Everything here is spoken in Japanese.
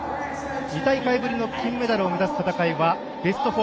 ２大会ぶりの金メダルを目指す戦いはベスト４。